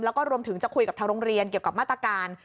แล้วก็รวมถึงจะคุยกับทางโรงเรียนเกี่ยวกับมาตรการ